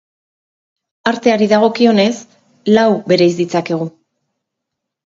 Arteari dagokionez, lau bereiz ditzakegu.